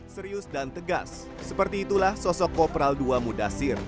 serius dan tegas seperti itulah sosok kopral ii mudasir